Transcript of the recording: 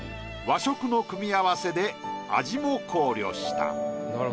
和食の組み合わせで味も考慮した。